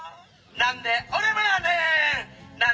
何で俺もやねん！